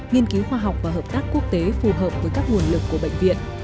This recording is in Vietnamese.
nghiên cứu khoa học và hợp tác quốc tế phù hợp với các nguồn lực của bệnh viện